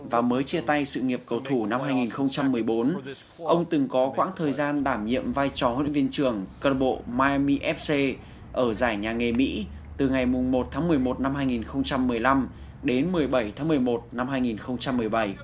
và mới chia tay sự nghiệp cầu thủ năm hai nghìn một mươi bốn ông từng có quãng thời gian đảm nhiệm vai trò huấn luyện viên trưởng cân bộ miami fc ở giải nhà nghề mỹ từ ngày một tháng một mươi một năm hai nghìn một mươi năm đến một mươi bảy tháng một mươi một năm hai nghìn một mươi bảy